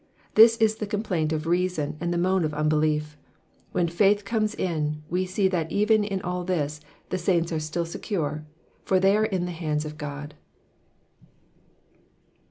This is the complaint of reason and the moan of unbelief. When faith comes in, we see that even in all this the saints are still secure, for they are all in the hands of God.